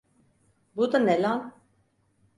Bu da ne lan?